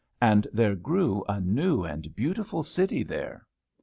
And there grew a new and beautiful city there.